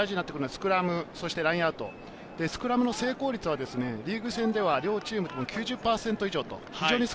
スクラム、ラインアウト、スクラムの成功率はリーグ戦では両チームとも９０％以上。